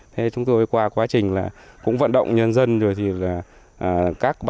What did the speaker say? thế chúng tôi qua quá trình là cũng vận động nhân dân rồi thì là các bà